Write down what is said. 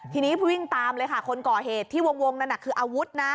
ทีนี้วิ่งตามเลยค่ะคนก่อเหตุที่วงนั่นน่ะคืออาวุธนะ